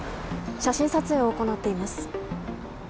写真撮影を行っています。